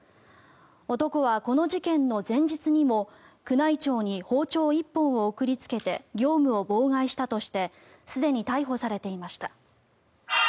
男はこの事件の前日にも宮内庁に包丁１本を送りつけて業務を妨害したとしてすでに逮捕されていました。